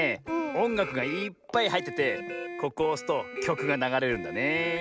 おんがくがいっぱいはいっててここをおすときょくがながれるんだねえ。